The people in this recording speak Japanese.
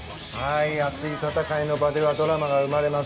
熱い戦いの場ではドラマが生まれます。